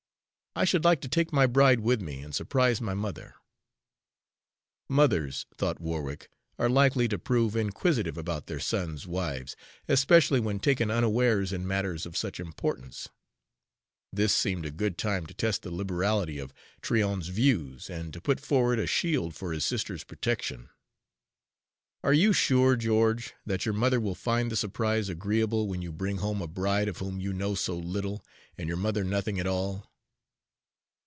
I should like to take my bride with me, and surprise my mother." Mothers, thought Warwick, are likely to prove inquisitive about their sons' wives, especially when taken unawares in matters of such importance. This seemed a good time to test the liberality of Tryon's views, and to put forward a shield for his sister's protection. "Are you sure, George, that your mother will find the surprise agreeable when you bring home a bride of whom you know so little and your mother nothing at all?"